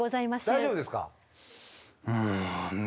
大丈夫ですか？